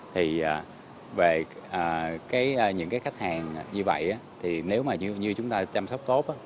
thì về những cái khách hàng như vậy thì nếu mà như chúng ta chăm sóc tốt